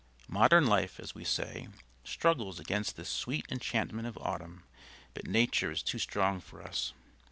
Modern life (as we say) struggles against this sweet enchantment of autumn, but Nature is too strong for us.